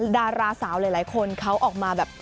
ดาราสาวหลายคนเขาออกมาแบบ